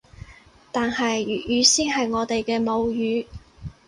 但係粵語先係我哋嘅母語